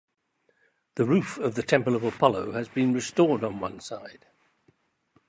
The roof of the temple of Apollo has been restored on one side.